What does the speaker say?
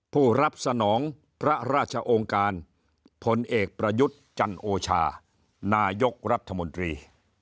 ผู้รับสนองพระราชองค์การพลเอกประยุทธ์จันโอชานายกรัฐมนตรี